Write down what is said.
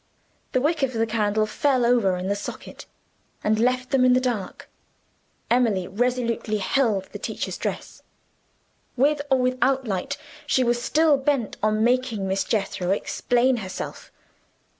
The wick of the candle fell over in the socket, and left them in the dark. Emily resolutely held the teacher's dress. With or without light, she was still bent on making Miss Jethro explain herself.